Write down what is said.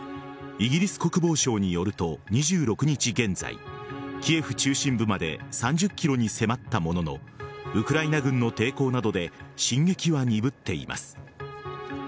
イギリス国防省によると２６日現在キエフ中心部まで３０ｋｍに迫ったもののウクライナ軍の抵抗などで進撃は鈍っています。